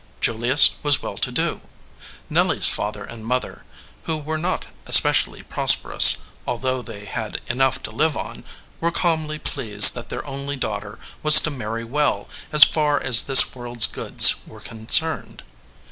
Julius was well to do. Nelly s father and mother, who were not especially prosperous, although they had enough to live on, were calmly pleased that their only daughter was to marry well as far as this world s goods were concerned.